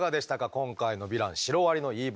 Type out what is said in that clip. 今回のヴィランシロアリの言い分。